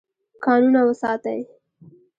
کانونه وساتئ.